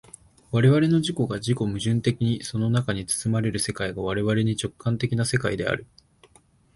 我々の自己が自己矛盾的にその中に包まれる世界が我々に直観的な世界である。